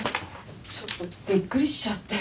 ちょっとびっくりしちゃって。